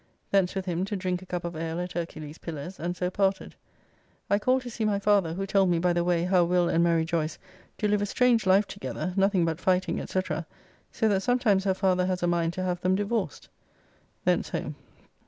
Thence with him to drink a cup of ale at Hercules Pillars, and so parted. I called to see my father, who told me by the way how Will and Mary Joyce do live a strange life together, nothing but fighting, &c., so that sometimes her father has a mind to have them divorced. Thence home.